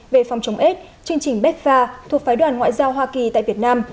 về phòng chống ết chương trình bepfa thuộc phái đoàn ngoại giao hoa kỳ tại việt nam